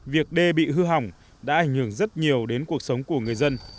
việc đê bị hư hỏng đã ảnh hưởng rất nhiều đến cuộc sống của người dân